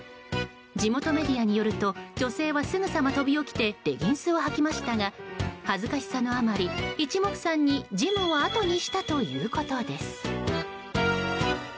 地元メディアによると女性はすぐさま飛び起きてレギンスをはきましたが恥ずかしさのあまり一目散にジムをあとにしたということです。